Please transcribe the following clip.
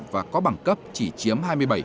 và có bằng cấp chỉ chiếm hai mươi bảy